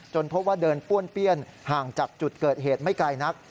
พบว่าเดินป้วนเปี้ยนห่างจากจุดเกิดเหตุไม่ไกลนัก